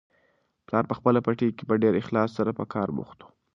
پلار په خپل پټي کې په ډېر اخلاص سره په کار بوخت و.